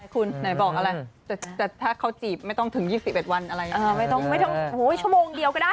คุณไหนบอกอะไรแต่แต่ถ้าเขาจีบไม่ต้องถึงยี่สิบเอ็ดวันอะไรยังไงไม่ต้องไม่ต้องโหโหโหชั่วโมงเดียวก็ได้